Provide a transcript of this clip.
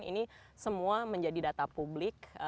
ini semua menjadi data publik